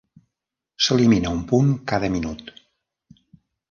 S'elimina un punt cada minut.